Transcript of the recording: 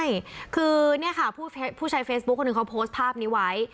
ใช่คือเนี่ยค่ะผู้ใช้เฟซบุ๊คคนหนึ่งเขาโพสต์ภาพนี้ไว้